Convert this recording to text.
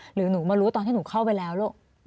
หรือหนูมารู้ตอนที่หนูเข้าไปแล้วลูก